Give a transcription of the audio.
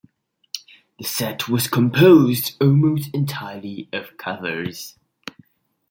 The set was composed almost entirely of covers.